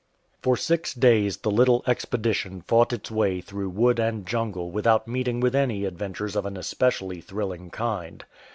For six days the little expedition fought its way through wood and jungle without meeting with any adventures of an especially thrilling kind.